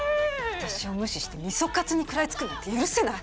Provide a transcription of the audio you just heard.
私を無視して味噌カツに食らいつくなんて許せない。